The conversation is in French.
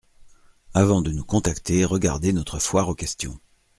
Avant de nous contacter, regardez notre foire aux questions.